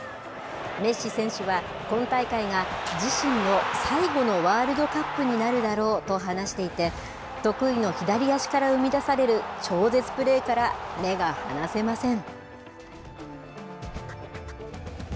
メッシ選手は、今大会が自身の最後のワールドカップになるだろうと話していて、得意の左足から生み出される超絶プレーから目が離せません。